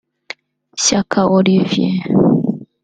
Shyaka Olivier